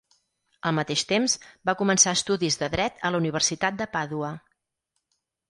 Al mateix temps, va començar estudis de Dret a la universitat de Pàdua.